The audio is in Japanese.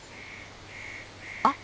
あっ！